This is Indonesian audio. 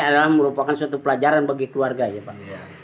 adalah merupakan suatu pelajaran bagi keluarganya pak